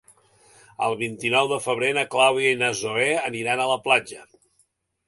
El vint-i-nou de febrer na Clàudia i na Zoè aniran a la platja.